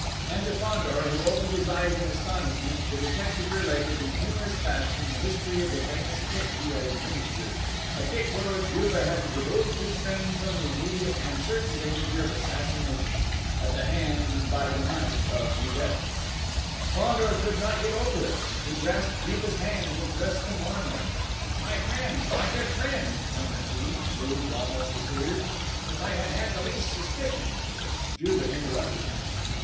And to Fandor, who opened his eyes in astonishment, the detective related, in humorous fashion, the history of the famous kick he had administered a kick wherewith Juve had removed his friend from the immediate and certain danger of assassination, at the hand and by the knife of Nibet. Fandor could not get over it! He grasped Juve's hands and pressed them warmly. "My friend! My good friend!" murmured he, moved almost to tears. "If I had had the least suspicion!..." Juve interrupted him.